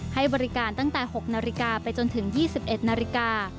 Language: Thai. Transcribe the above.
ให้บริการตั้งแต่๖นาฬิกาไปจนถึง๒๑นาฬิกา